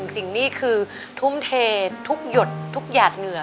สิ่งนี้คือทุ่มเททุกหยดทุกหยาดเหงื่อ